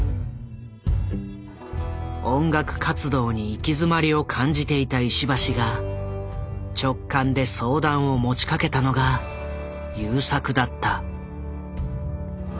音楽活動に行き詰まりを感じていた石橋が直感で相談を持ちかけたのが優作だった。